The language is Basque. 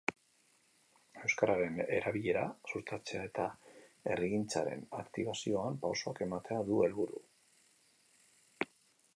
Euskararen erabilera sustatzea eta herrigintzaren aktibazioan pausoak ematea du helburu.